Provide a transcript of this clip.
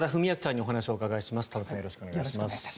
よろしくお願いします。